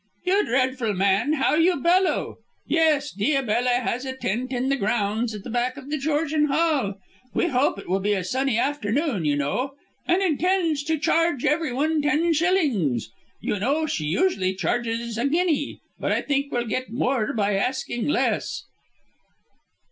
"You dreadful man, how you bellow! Yes; Diabella has a tent in the grounds at the back of The Georgian Hall we hope it will be a sunny afternoon, you know and intends to charge everyone ten shillings. You know, she usually charges a guinea, but we think we'll get more by asking less."